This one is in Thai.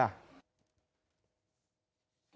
หรือเปลี่ยนสิ่งที่ได้คะ